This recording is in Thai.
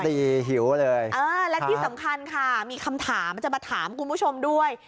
หิวเลยเออและที่สำคัญค่ะมีคำถามจะมาถามคุณผู้ชมด้วย